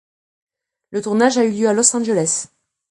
Le tournage a lieu en à Los Angeles.